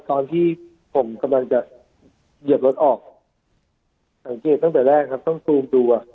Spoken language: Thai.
ตอนที่ผมกำลังจะเหยียบรถออกสังเกตตั้งแต่แรกครับต้องซูมดูอ่ะ